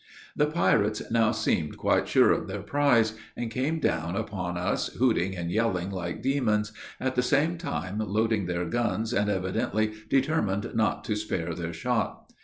The pirates now seemed quite sure of their prize, and came down upon us, hooting and yelling like demons, at the same time loading their guns, and evidently determined not to spare their shot.